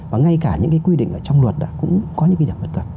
và ngay cả những cái quy định ở trong luật cũng có những cái điều vất cập